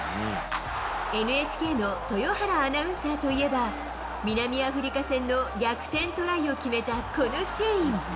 ＮＨＫの豊原アナウンサーといえば、南アフリカ戦の逆転トライを決めたこのシーン。